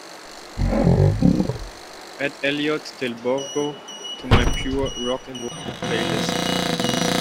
Add Elliot Del Borgo to my pure rock & roll playlist.